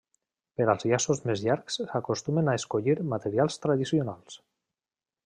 Per als llaços més llargs s'acostumen a escollir materials tradicionals.